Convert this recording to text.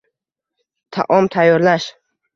Taom tayyorlash.